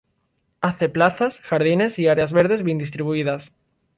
Hace plazas, jardines y áreas verdes bien distribuidas.